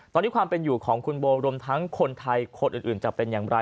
ตอนนี้ความเป็นอยู่ของคุณโบรวมทั้งคนไทยคนอื่นจะเป็นอย่างไร